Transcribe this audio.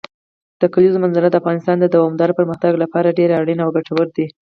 د کلیزو منظره د افغانستان د دوامداره پرمختګ لپاره ډېر اړین او ګټور دی.